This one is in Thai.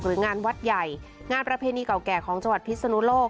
งานวัดใหญ่งานประเพณีเก่าแก่ของจังหวัดพิศนุโลก